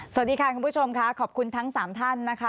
สวัสดีค่ะคุณผู้ชมค่ะขอบคุณทั้ง๓ท่านนะคะ